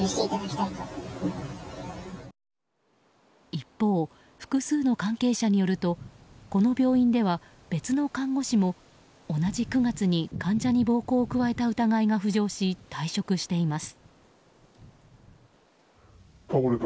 一方、複数の関係者によるとこの病院では、別の看護師も同じ９月に患者に暴行を加えた疑いが浮上し、退職しています。